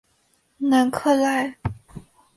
南克赖。